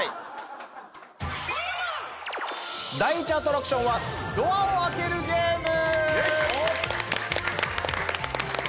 第１アトラクションはドアを開けるゲーム！